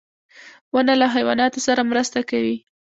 • ونه له حیواناتو سره مرسته کوي.